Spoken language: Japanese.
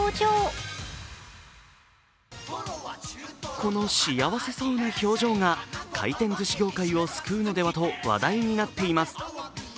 この幸せそうな表情が回転ずし業界を救うのではと話題になっています。